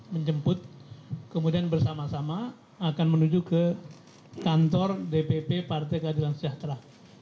menjemput kemudian bersama sama akan menuju ke kantor dpp partai keadilan sejahtera